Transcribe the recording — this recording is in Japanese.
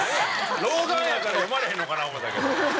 老眼やから読まれへんのかな思うたけど。